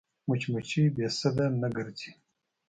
مچمچۍ بې سده نه ګرځي